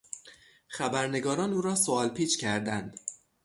خبرنگاران او را سوالپیچ کردند.